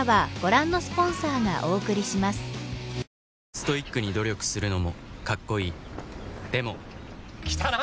ストイックに努力するのもカッコいいでも来たな！